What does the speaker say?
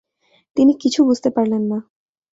তিনি কিছু বুঝতে পারলেন না।